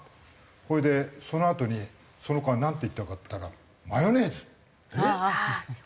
それでそのあとにその子がなんて言ったかっていったら「マヨネーズ」って言うんだよ。